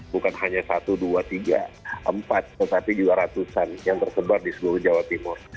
bukan hanya satu dua tiga empat tetapi juga ratusan yang tersebar di seluruh jawa timur